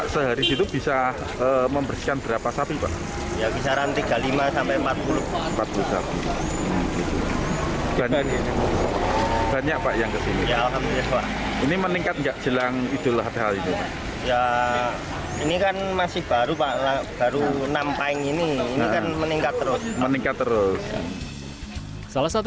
salah satu pelanggan